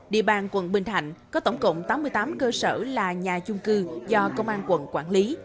địa bàn quận bình thạnh có tổng cộng tám mươi tám cơ sở là nhà chung cư do công an quận quản lý